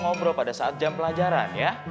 sudah kita kesana pak ari ya